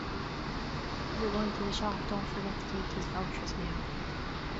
If your going to the shop don't forget to take those vouchers we have.